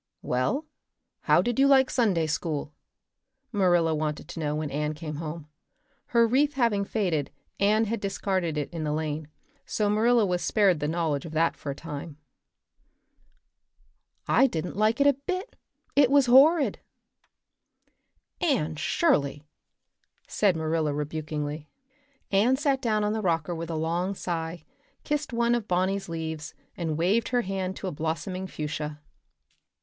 "Well, how did you like Sunday school?" Marilla wanted to know when Anne came home. Her wreath having faded, Anne had discarded it in the lane, so Marilla was spared the knowledge of that for a time. "I didn't like it a bit. It was horrid." "Anne Shirley!" said Marilla rebukingly. Anne sat down on the rocker with a long sigh, kissed one of Bonny's leaves, and waved her hand to a blossoming fuchsia.